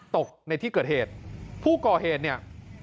ตกในที่เกิดเหตุผู้ก่อเหตุเนี่ย